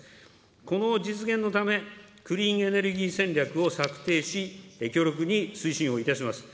この実現のため、クリーンエネルギー戦略を策定し、強力に推進をいたします。